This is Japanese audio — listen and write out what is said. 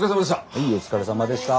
はいお疲れさまでした。